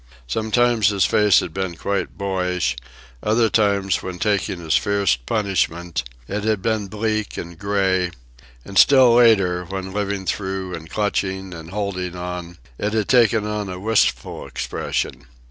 Sometimes his face had been quite boyish; other times, when taking his fiercest punishment, it had been bleak and gray; and still later, when living through and clutching and holding on, it had taken on a wistful expression.